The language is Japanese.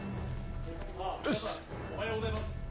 おはようございます。